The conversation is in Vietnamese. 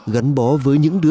gắn bó với những đứa